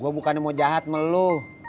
gue bukannya mau jahat sama lo